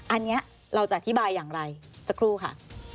อันนี้เราจะอธิบายอย่างไรสักครู่ค่ะ